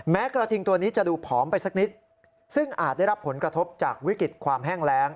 กระทิงตัวนี้จะดูผอมไปสักนิดซึ่งอาจได้รับผลกระทบจากวิกฤตความแห้งแรง